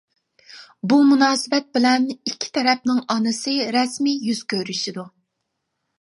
بۇ مۇناسىۋەت بىلەن ئىككى تەرەپنىڭ ئانىسى رەسمىي يۈز كۆرۈشىدۇ.